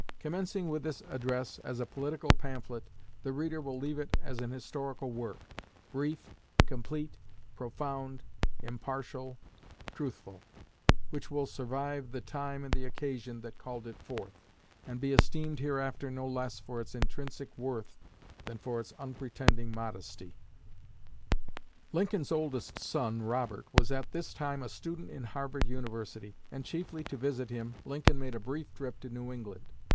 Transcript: Commencing with this address as a political pamphlet, the reader will leave it as an historical work brief, complete, profound, impartial, truthful, which will survive the time and the occasion that called it forth, and be esteemed hereafter no less for its intrinsic worth than for its unpretending modesty." Lincoln's oldest son, Robert, was at this time a student in Harvard University, and, chiefly to visit him, Lincoln made a brief trip to New England.